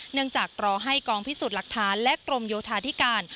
จากรอให้กองพิสูจน์หลักฐานและกรมโยธาธิการ